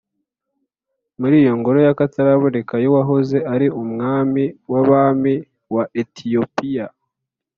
muri iyo ngoro y'akataraboneka y'uwahoze ari umwami w'abami wa etiyopiya,